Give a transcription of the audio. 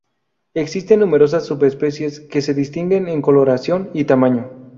Existen numerosas subespecies que se distinguen en coloración y tamaño.